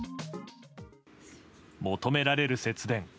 求められる節電。